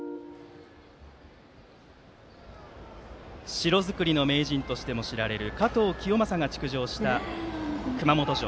城造りの名人としても知られる加藤清正が築城した熊本城。